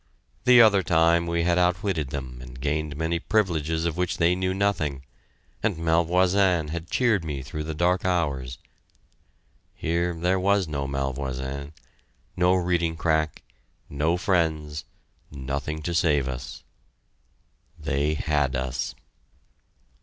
The other time we had outwitted them and gained many privileges of which they knew nothing, and Malvoisin had cheered me through the dark hours. Here there was no Malvoisin, no reading crack, no friends, nothing to save us. They had us!